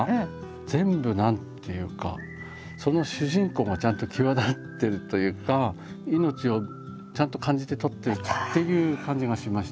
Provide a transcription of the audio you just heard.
全部何ていうかその主人公がちゃんと際立ってるというか命をちゃんと感じて撮ってるっていう感じがしました。